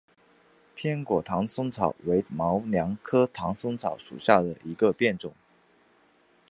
扁果唐松草为毛茛科唐松草属下的一个变种。